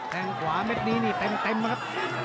แค่งขวาเม็ดนี้นี่เต็มนะครับ